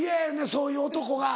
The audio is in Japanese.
そういう男が。